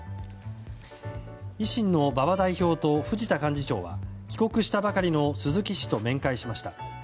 維新の馬場代表と藤田幹事長は帰国したばかりの鈴木氏と面会しました。